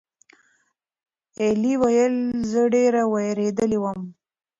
ایلي وویل: "زه ډېره وېرېدلې وم."